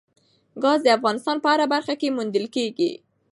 ګاز د افغانستان په هره برخه کې موندل کېږي.